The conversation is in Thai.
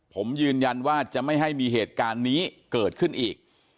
ผมยืนยันว่าจะไม่ให้มีเหตุการณ์นี้เกิดขึ้นอีก